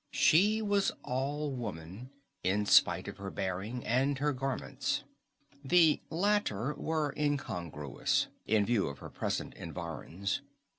She was all woman, in spite of her bearing and her garments. The latter were incongruous, in view of her present environs.